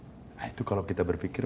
nah itu kalau kita berpikir